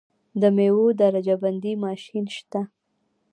د میوو د درجه بندۍ ماشین شته؟